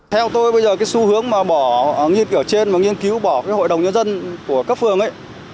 theo tôi bây giờ cái xu hướng mà bỏ nghiên cứu ở trên và nghiên cứu bỏ cái hội đồng nhân dân của cấp phường ấy